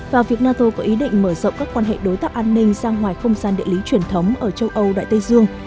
và việc nato có ý định mở rộng các quan hệ đối tác an ninh sang ngoài không gian địa lý truyền thống ở châu âu đại tây dương